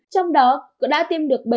trong đó cũng đã tiêm được bảy một trăm linh